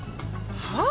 はあ？